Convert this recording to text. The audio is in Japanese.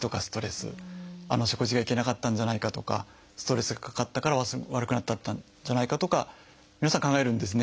あの食事がいけなかったんじゃないかとかストレスがかかったから悪くなっちゃったんじゃないかとか皆さん考えるんですね。